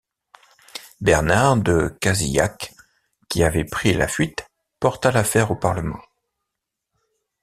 Bernard de Cazilhac, qui avait pris la fuite, porta l'affaire au parlement.